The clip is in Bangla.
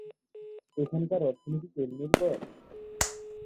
এখানকার অর্থনীতি তেল নির্ভর।